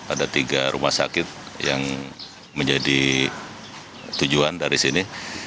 ada tiga rumah sakit yang menjadi tujuan dari sini